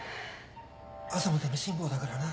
朝までの辛抱だからな。